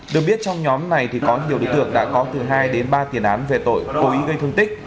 được biết trong nhóm này thì có nhiều đối tượng đã có từ hai đến ba tiền án về tội cố ý gây thương tích